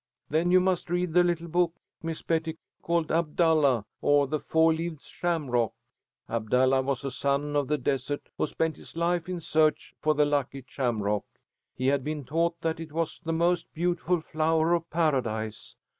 "Then you must read the little book, Miss Betty, called 'Abdallah, or the Four leaved Shamrock.' Abdallah was a son of the desert who spent his life in a search for the lucky shamrock. He had been taught that it was the most beautiful flower of Paradise.